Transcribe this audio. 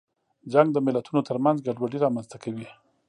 جنګ د ملتونو ترمنځ ګډوډي رامنځته کوي.